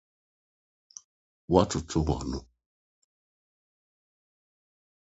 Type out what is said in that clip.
Watoto w’ano.